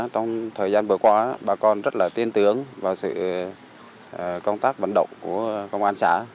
từ đó bà con rất là tiên tưởng vào sự công tác vận động của công an xã